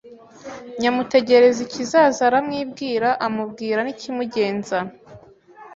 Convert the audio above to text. Nyamutegerikizaza aramwibwira amubwira n' ikimugenza.